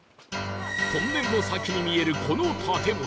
トンネルの先に見えるこの建物